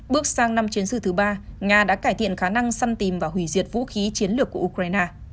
bước sang năm chiến sư thứ ba nga đã cải thiện khả năng săn tìm và hủy diệt vũ khí chiến lược của ukraine